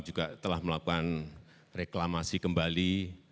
juga telah melakukan reklamasi kembali